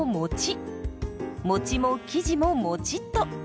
もちも生地ももちっと。